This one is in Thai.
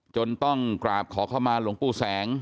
จนต้องกราบขอเข้ามาหลวงปู่แสง